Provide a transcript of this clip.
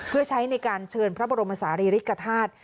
เพื่อใช้ในการเชิญพระบรมศาลีริกฐาตุ